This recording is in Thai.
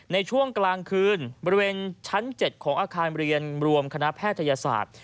ในช่วงกลางคืนบริเวณชั้น๗ของอาคารเรียนรวมคณะแพทยศาสตร์